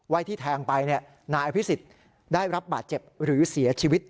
ที่แทงไปนายอภิษฎได้รับบาดเจ็บหรือเสียชีวิต